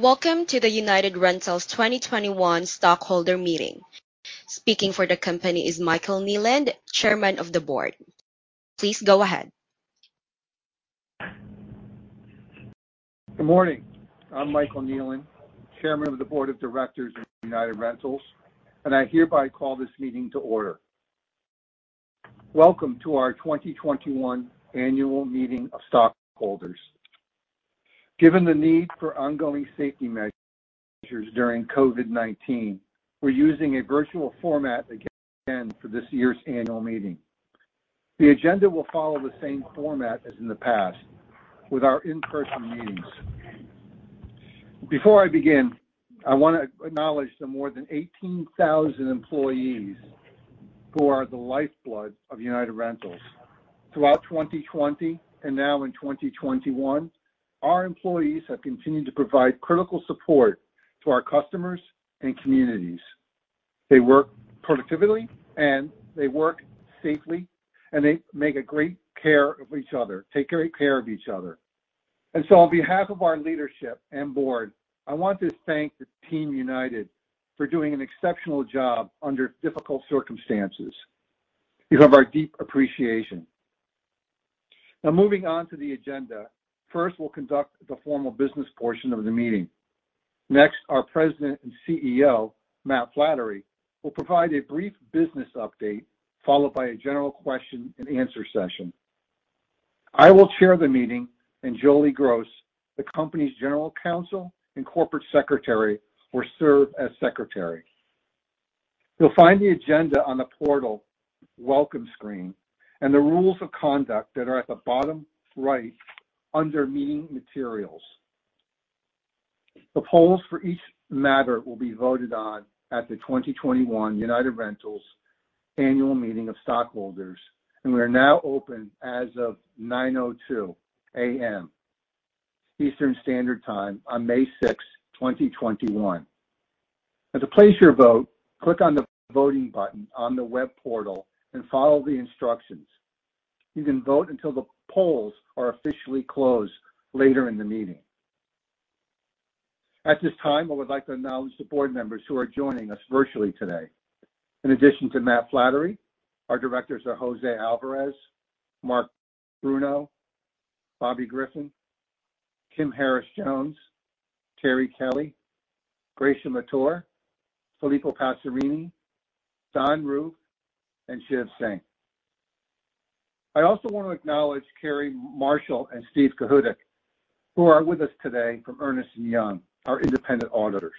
Welcome to the United Rentals 2021 Stockholder Meeting. Speaking for the company is Michael Kneeland, Chairman of the Board. Please go ahead. Good morning. I'm Michael Kneeland, Chairman of the Board of Directors of United Rentals, and I hereby call this meeting to order. Welcome to our 2021 Annual Meeting of Stockholders. Given the need for ongoing safety measures during COVID-19, we're using a virtual format again for this year's annual meeting. The agenda will follow the same format as in the past with our in-person meetings. Before I begin, I want to acknowledge the more than 18,000 employees who are the lifeblood of United Rentals. Throughout 2020 and now in 2021, our employees have continued to provide critical support to our customers and communities. They work productively, and they work safely, and they take great care of each other. On behalf of our leadership and board, I want to thank the Team United for doing an exceptional job under difficult circumstances. You have our deep appreciation. Moving on to the agenda. First, we'll conduct the formal business portion of the meeting. Next, our President and CEO, Matt Flannery, will provide a brief business update, followed by a general question and answer session. I will chair the meeting, and Joli Gross, the company's General Counsel and Corporate Secretary, will serve as secretary. You'll find the agenda on the portal welcome screen and the rules of conduct that are at the bottom right under Meeting Materials. The polls for each matter will be voted on at the 2021 United Rentals Annual Meeting of Stockholders, and we are now open as of 9:02 A.M. Eastern Standard Time on May 6, 2021. To place your vote, click on the Voting button on the web portal and follow the instructions. You can vote until the polls are officially closed later in the meeting. At this time, I would like to acknowledge the board members who are joining us virtually today. In addition to Matt Flannery, our directors are José Alvarez, Marc Bruno, Bobby Griffin, Kim Harris Jones, Terri Kelly, Gracia Martore, Filippo Passerini, Don Roof, and Shiv Singh. I also want to acknowledge Carrie Marshall and Steve Kahutak, who are with us today from Ernst & Young, our independent auditors.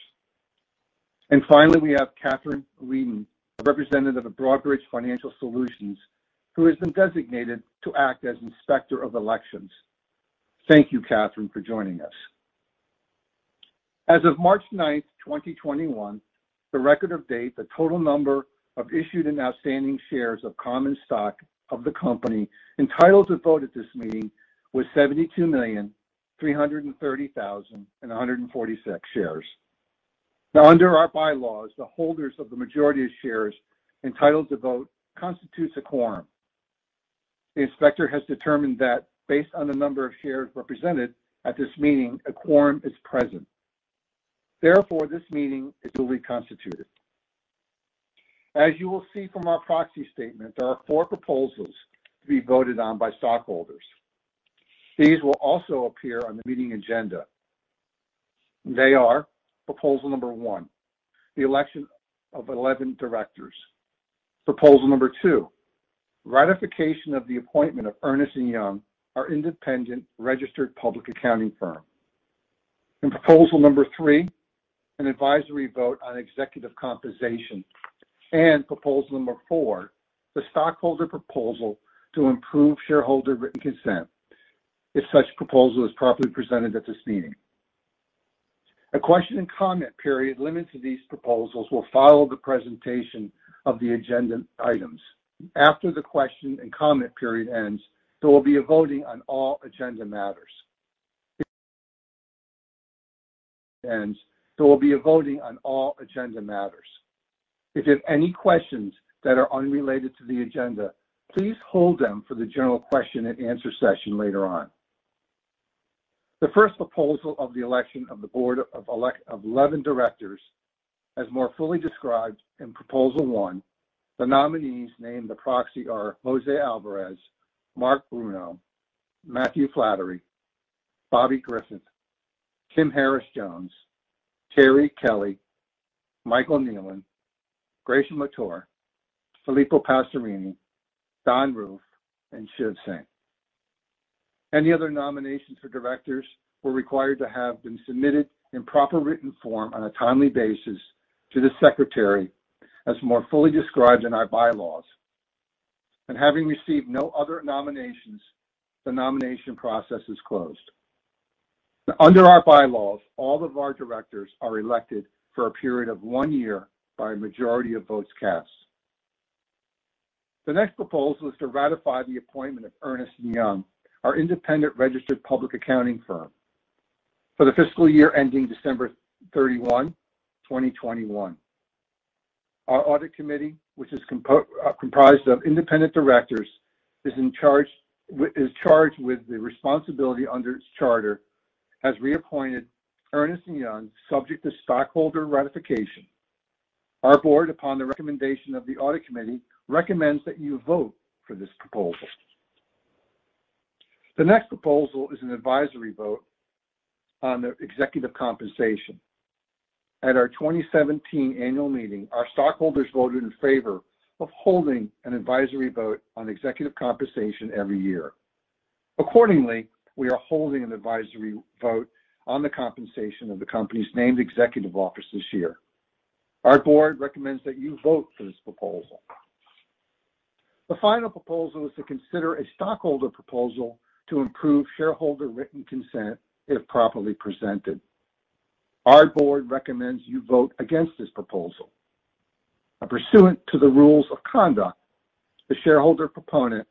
And finally, we have Katherine Leeding, a representative of Broadridge Financial Solutions, who has been designated to act as Inspector of Elections. Thank you, Katherine, for joining us. As of March 9, 2021, the record of date, the total number of issued and outstanding shares of common stock of the company entitled to vote at this meeting was 72,330,146 shares. Now, under our bylaws, the holders of the majority of shares entitled to vote constitutes a quorum. The inspector has determined that based on the number of shares represented at this meeting, a quorum is present. Therefore, this meeting is duly constituted. As you will see from our proxy statement, there are four proposals to be voted on by stockholders. These will also appear on the meeting agenda. They are proposal number one, the election of 11 directors. Proposal number two, ratification of the appointment of Ernst & Young, our independent registered public accounting firm. Proposal number three, an advisory vote on executive compensation. Proposal number four, the stockholder proposal to improve shareholder written consent if such proposal is properly presented at this meeting. A question and comment period limited to these proposals will follow the presentation of the agenda items. After the question and comment period ends, there will be a voting on all agenda matters. If there's any questions that are unrelated to the agenda, please hold them for the general question and answer session later on. The first proposal of the election of the board of 11 directors, as more fully described in proposal one, the nominees named the proxy are José Alvarez, Marc Bruno, Matthew Flannery, Bobby Griffin, Kim Harris Jones, Terri Kelly, Michael Kneeland, Gracia Martore, Filippo Passerini, Don Roof, and Shiv Singh. Any other nominations for directors were required to have been submitted in proper written form on a timely basis to the secretary, as more fully described in our bylaws. Having received no other nominations, the nomination process is closed. Now under our bylaws, all of our directors are elected for a period of one year by a majority of votes cast. The next proposal is to ratify the appointment of Ernst & Young, our independent registered public accounting firm, for the fiscal year ending December 31, 2021. Our audit committee, which is comprised of independent directors, is charged with the responsibility under its charter, has reappointed Ernst & Young, subject to stockholder ratification. Our board, upon the recommendation of the audit committee, recommends that you vote for this proposal. The next proposal is an advisory vote on the executive compensation. At our 2017 annual meeting, our stockholders voted in favor of holding an advisory vote on executive compensation every year. Accordingly, we are holding an advisory vote on the compensation of the company's named executive officers this year. Our board recommends that you vote for this proposal. The final proposal is to consider a stockholder proposal to improve shareholder written consent if properly presented. Our board recommends you vote against this proposal. Now pursuant to the rules of conduct, the shareholder proponent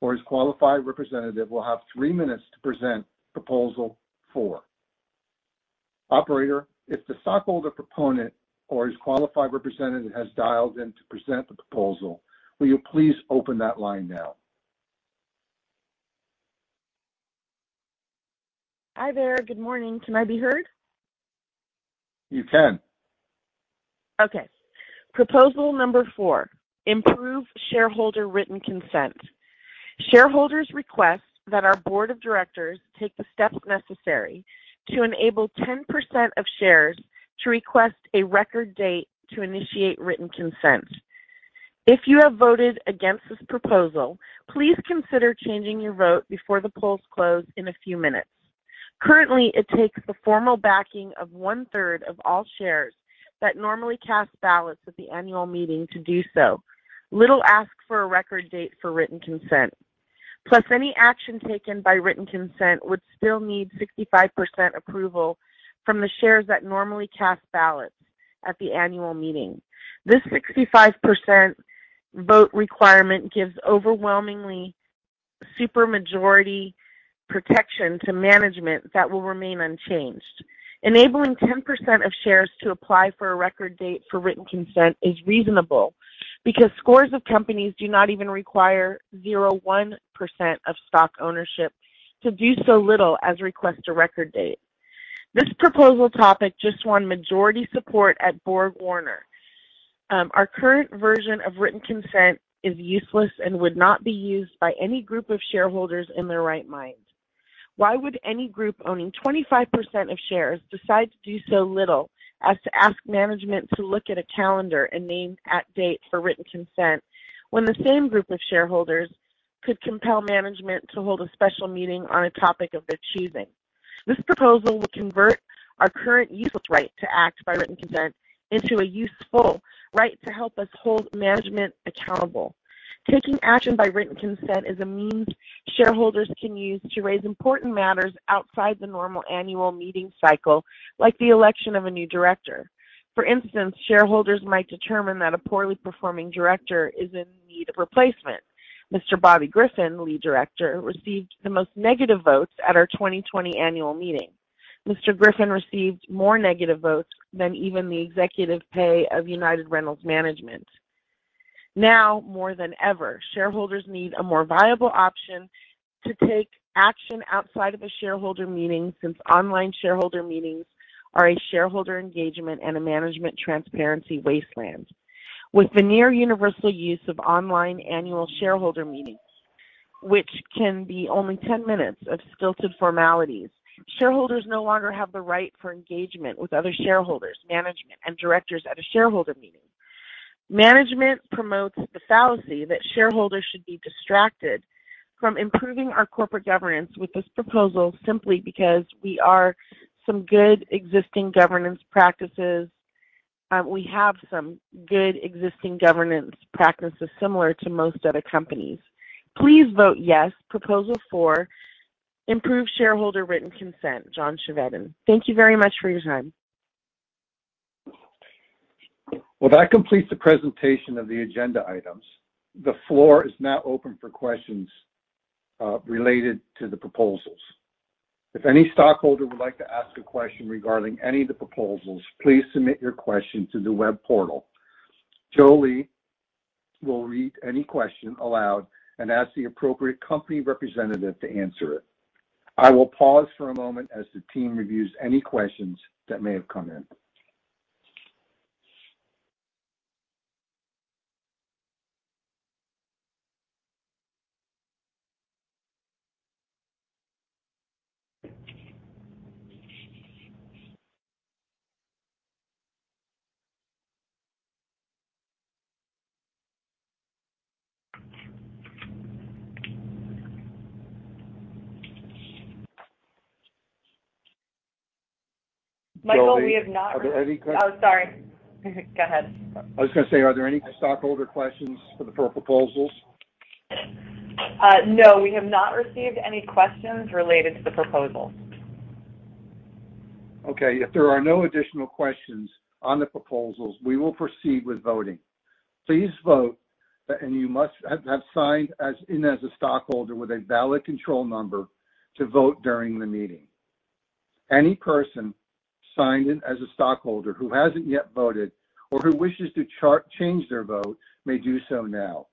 or his qualified representative will have three minutes to present Proposal Four. Operator, if the stockholder proponent or his qualified representative has dialed in to present the proposal, will you please open that line now? Hi there. Good morning. Can I be heard? You can. Okay. Proposal number four, improve shareholder written consent. Shareholders request that our board of directors take the steps necessary to enable 10% of shares to request a record date to initiate written consent. If you have voted against this proposal, please consider changing your vote before the polls close in a few minutes. Currently, it takes the formal backing of 1/3 of all shares that normally cast ballots at the annual meeting to do so. Little ask for a record date for written consent. Plus, any action taken by written consent would still need 65% approval from the shares that normally cast ballots at the annual meeting. This 65% vote requirement gives overwhelmingly super majority protection to management that will remain unchanged. Enabling 10% of shares to apply for a record date for written consent is reasonable because scores of companies do not even require 0.1% of stock ownership to do so little as request a record date. This proposal topic just won majority support at BorgWarner. Our current version of written consent is useless and would not be used by any group of shareholders in their right mind. Why would any group owning 25% of shares decide to do so little as to ask management to look at a calendar and name at date for written consent when the same group of shareholders could compel management to hold a special meeting on a topic of their choosing? This proposal will convert our current useless right to act by written consent into a useful right to help us hold management accountable. Taking action by written consent is a means shareholders can use to raise important matters outside the normal annual meeting cycle, like the election of a new director. For instance, shareholders might determine that a poorly performing director is in need of replacement. Mr. Bobby Griffin, lead director, received the most negative votes at our 2020 annual meeting. Mr. Griffin received more negative votes than even the executive pay of United Rentals management. Now more than ever, shareholders need a more viable option to take action outside of a shareholder meeting, since online shareholder meetings are a shareholder engagement and a management transparency wasteland. With the near universal use of online annual shareholder meetings, which can be only 10 minutes of stilted formalities, shareholders no longer have the right for engagement with other shareholders, management, and directors at a shareholder meeting. Management promotes the fallacy that shareholders should be distracted from improving our corporate governance with this proposal, simply because we have some good existing governance practices similar to most other companies. Please vote yes. Proposal four, improve shareholder written consent, John Chevedden. Thank you very much for your time. Well, that completes the presentation of the agenda items. The floor is now open for questions related to the proposals. If any stockholder would like to ask a question regarding any of the proposals, please submit your question to the web portal. Joli will read any question aloud and ask the appropriate company representative to answer it. I will pause for a moment as the team reviews any questions that may have come in. Michael, Joli, are there any que-? Oh, sorry. Go ahead. I was going to say, are there any stockholder questions for the proposals? No. We have not received any questions related to the proposals. Okay. If there are no additional questions on the proposals, we will proceed with voting. Please vote, and you must have signed in as a stockholder with a ballot control number to vote during the meeting. Any person signed in as a stockholder who hasn't yet voted or who wishes to change their vote may do so now.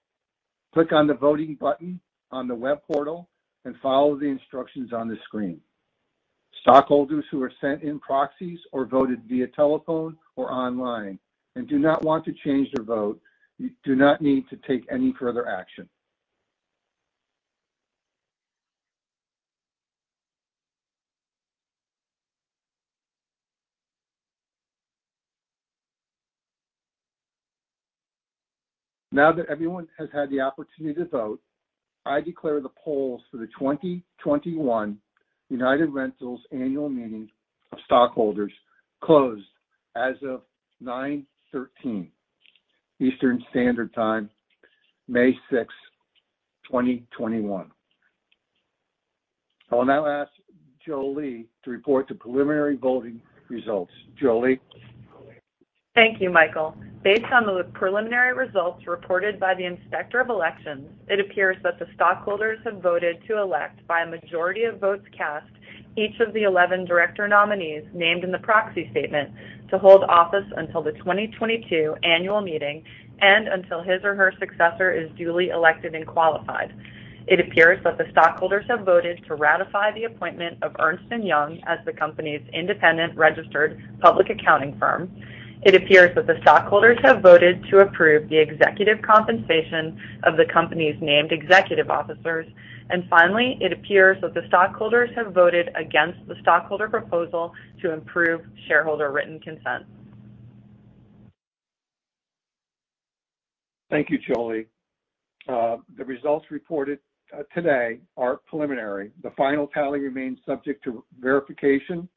Click on the voting button on the web portal and follow the instructions on the screen. Stockholders who are sent in proxies or voted via telephone or online and do not want to change their vote, do not need to take any further action. Now that everyone has had the opportunity to vote, I declare the polls for the 2021 United Rentals annual meeting of stockholders closed as of 9:13 A.M. Eastern Standard Time, May 6, 2021. I will now ask Joli to report the preliminary voting results. Joli? Thank you, Michael. Based on the preliminary results reported by the Inspector of Elections, it appears that the stockholders have voted to elect, by a majority of votes cast, each of the 11 director nominees named in the proxy statement to hold office until the 2022 annual meeting and until his or her successor is duly elected and qualified. It appears that the stockholders have voted to ratify the appointment of Ernst & Young as the company's independent registered public accounting firm. It appears that the stockholders have voted to approve the executive compensation of the company's named executive officers. Finally, it appears that the stockholders have voted against the stockholder proposal to improve shareholder written consent. Thank you, Joli. The results reported today are preliminary. The final tally remains subject to verification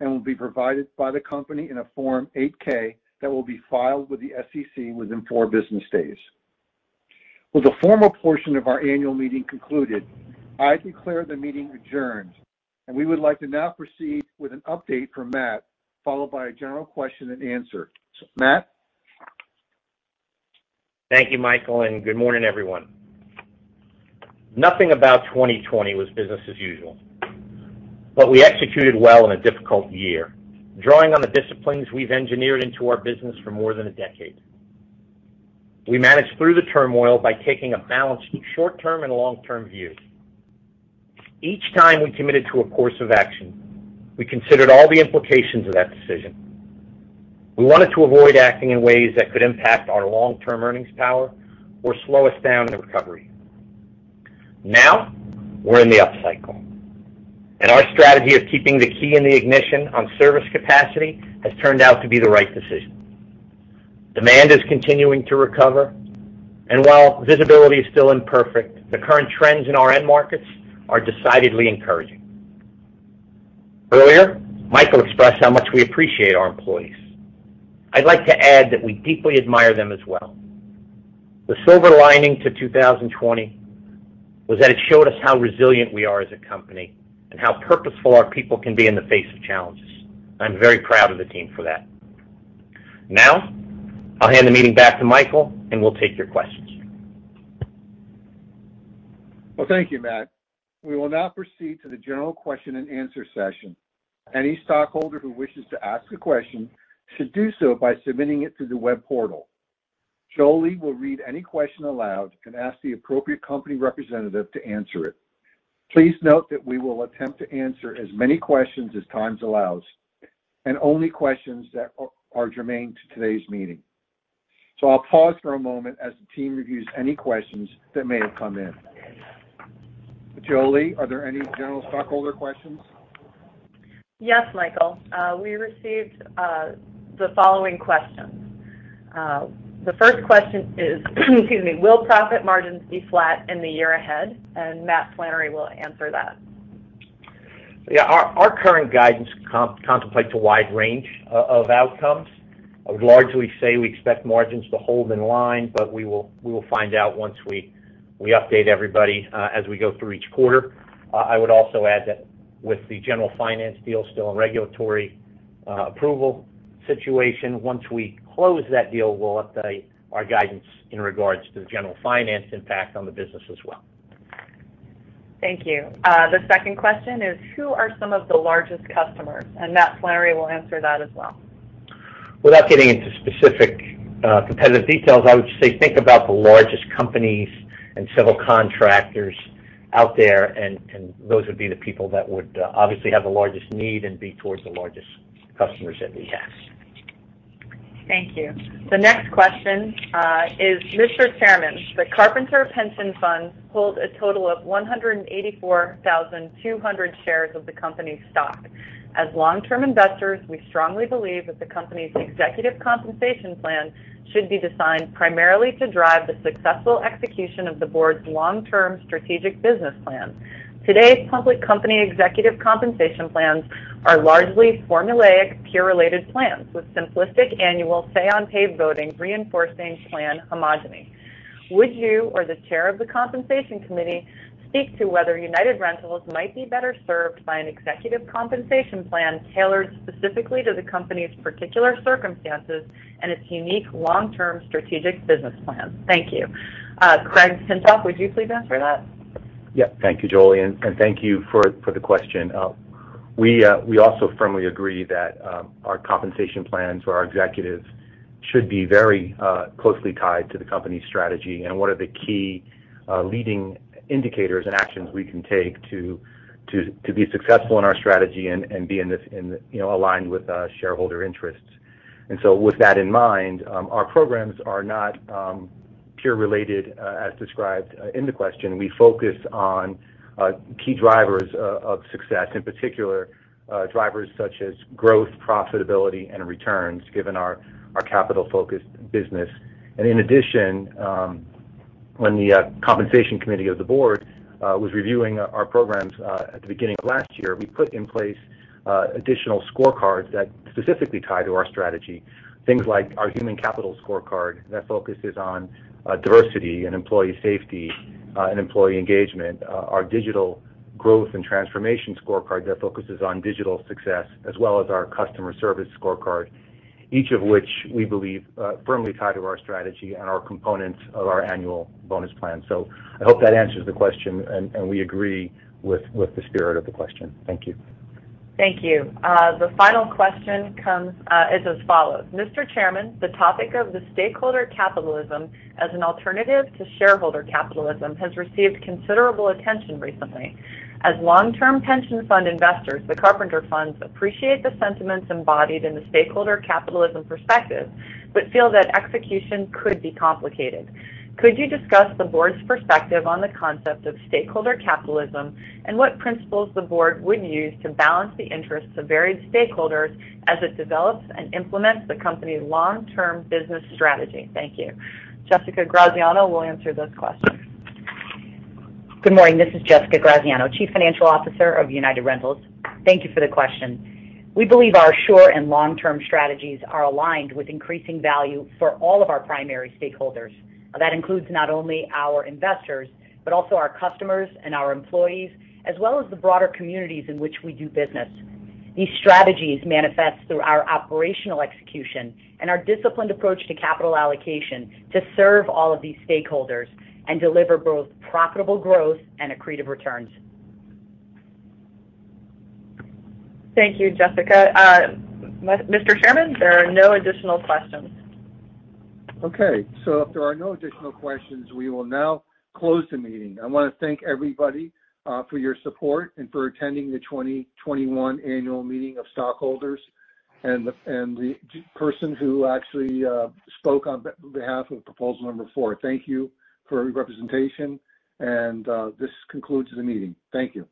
and will be provided by the company in a Form 8-K that will be filed with the SEC within four business days. With the formal portion of our annual meeting concluded, I declare the meeting adjourned, and we would like to now proceed with an update from Matt, followed by a general question and answer. Matt? Thank you, Michael, and good morning, everyone. Nothing about 2020 was business as usual. We executed well in a difficult year, drawing on the disciplines we've engineered into our business for more than a decade. We managed through the turmoil by taking a balanced short-term and long-term view. Each time we committed to a course of action, we considered all the implications of that decision. We wanted to avoid acting in ways that could impact our long-term earnings power or slow us down in a recovery. Now we're in the upcycle, and our strategy of keeping the key in the ignition on service capacity has turned out to be the right decision. Demand is continuing to recover, and while visibility is still imperfect, the current trends in our end markets are decidedly encouraging. Earlier, Michael expressed how much we appreciate our employees. I'd like to add that we deeply admire them as well. The silver lining to 2020 was that it showed us how resilient we are as a company and how purposeful our people can be in the face of challenges. I'm very proud of the team for that. Now, I'll hand the meeting back to Michael, and we'll take your questions. Well, thank you, Matt. We will now proceed to the general question and answer session. Any stockholder who wishes to ask a question should do so by submitting it through the web portal. Joli will read any question aloud and ask the appropriate company representative to answer it. Please note that we will attempt to answer as many questions as time allows, and only questions that are germane to today's meeting. I'll pause for a moment as the team reviews any questions that may have come in. Joli, are there any general stockholder questions? Yes, Michael. We received the following questions. The first question is, "Will profit margins be flat in the year ahead?" Matt Flannery will answer that. Yeah. Our current guidance contemplates a wide range of outcomes. I would largely say we expect margins to hold in line, but we will find out once we update everybody as we go through each quarter. I would also add that with the General Finance deal still in regulatory approval situation, once we close that deal, we'll update our guidance in regards to the General Finance impact on the business as well. Thank you. The second question is, "Who are some of the largest customers?" Matt Flannery will answer that as well. Without getting into specific competitive details, I would just say think about the largest companies and civil contractors out there, and those would be the people that would obviously have the largest need and be towards the largest customers that we have. Thank you. The next question is, "Mr. Chairman, the Carpenter Pension Fund holds a total of 184,200 shares of the company's stock. As long-term investors, we strongly believe that the company's executive compensation plan should be designed primarily to drive the successful execution of the board's long-term strategic business plan. Today's public company executive compensation plans are largely formulaic, peer-related plans with simplistic annual say-on-pay voting reinforcing plan homogeny. Would you or the chair of the Compensation Committee speak to whether United Rentals might be better served by an executive compensation plan tailored specifically to the company's particular circumstances and its unique long-term strategic business plan? Thank you." Craig Pintoff, would you please answer that? Yeah. Thank you, Joli, and thank you for the question. We also firmly agree that our compensation plans for our executives should be very closely tied to the company's strategy and what are the key leading indicators and actions we can take to be successful in our strategy and be aligned with shareholder interests. With that in mind, our programs are not peer-related as described in the question. We focus on key drivers of success, in particular, drivers such as growth, profitability, and returns, given our capital-focused business. In addition, when the compensation committee of the board was reviewing our programs at the beginning of last year, we put in place additional scorecards that specifically tie to our strategy. Things like our human capital scorecard that focuses on diversity and employee safety and employee engagement, our digital growth and transformation scorecard that focuses on digital success, as well as our customer service scorecard, each of which we believe firmly tie to our strategy and are components of our annual bonus plan. I hope that answers the question, and we agree with the spirit of the question. Thank you. Thank you. The final question is as follows. Mr. Chairman, the topic of stakeholder capitalism as an alternative to shareholder capitalism has received considerable attention recently. As long-term pension fund investors, the Carpenter Funds appreciate the sentiments embodied in the stakeholder capitalism perspective, but feel that execution could be complicated. Could you discuss the board's perspective on the concept of stakeholder capitalism and what principles the board would use to balance the interests of varied stakeholders as it develops and implements the company's long-term business strategy? Thank you. Jessica Graziano will answer this question. Good morning. This is Jessica Graziano, Chief Financial Officer of United Rentals. Thank you for the question. We believe our short- and long-term strategies are aligned with increasing value for all of our primary stakeholders. That includes not only our investors, but also our customers and our employees, as well as the broader communities in which we do business. These strategies manifest through our operational execution and our disciplined approach to capital allocation to serve all of these stakeholders and deliver both profitable growth and accretive returns. Thank you, Jessica. Mr. Chairman, there are no additional questions. Okay, if there are no additional questions, we will now close the meeting. I want to thank everybody for your support and for attending the 2021 Annual Meeting of Stockholders and the person who actually spoke on behalf of proposal number four. Thank you for your representation. This concludes the meeting. Thank you.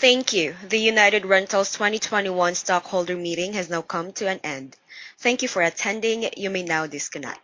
Thank you. The United Rentals 2021 stockholder meeting has now come to an end. Thank you for attending. You may now disconnect.